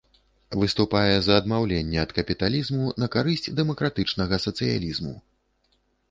Выступае за адмаўленне ад капіталізму на карысць дэмакратычнага сацыялізму.